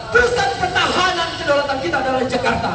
pesan pertahanan kedaulatan kita adalah jakarta